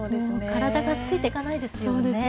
体がついていかないですよね。